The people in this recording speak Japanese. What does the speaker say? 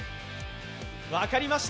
分かりました。